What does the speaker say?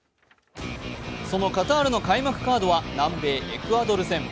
そのカタールの開幕カードは南米・エクアドル戦。